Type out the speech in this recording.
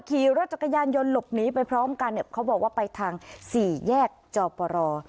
ขี่รถจักรยานยนต์หลบหนีไปพร้อมกันเนี่ยเขาบอกว่าไปทางสี่แยกจอปร